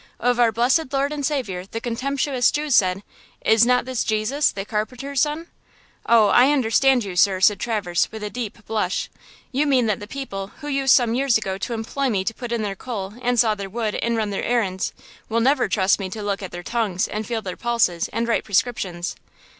Of our blessed Lord and Saviour the contemptuous Jews said, 'Is not this Jesus, the carpenter's son?" "Oh, I understand you, sir!" said Traverse, with a deep blush. "You mean that the people who used some years ago to employ me to put in their coal and saw their wood and run their errands, will never trust me to look at their tongues and feel their pulses and write prescriptions!"